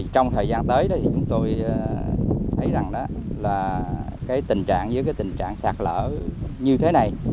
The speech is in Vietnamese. trong thời gian tới đó chúng tôi thấy rằng là cái tình trạng với cái tình trạng sạt lở như thế này